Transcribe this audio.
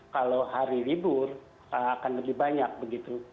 kalau hari libur akan lebih banyak begitu